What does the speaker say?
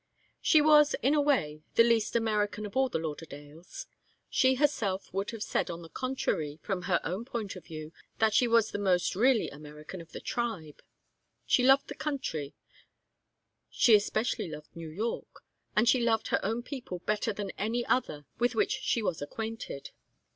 She was, in a way, the least American of all the Lauderdales. She herself would have said, on the contrary, from her own point of view, that she was the most really American in the tribe. She loved the country, she especially loved New York, and she loved her own people better than any other with which she was acquainted.